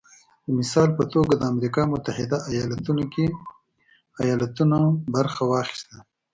د مثال په توګه د امریکا متحده ایالتونو کې ایالتونو برخه واخیسته